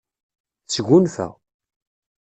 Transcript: Tesgunfa.